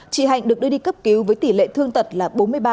chị hạnh được đưa đi cấp cứu với tỷ lệ thương tật là bốn mươi ba